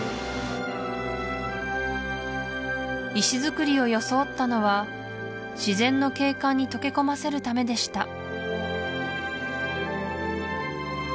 石造りを装ったのは自然の景観に溶け込ませるためでした